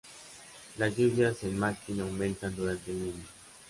Las lluvias en Makin aumentan durante El Niño.